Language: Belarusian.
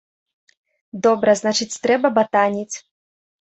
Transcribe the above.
Добра, значыць трэба батаніць.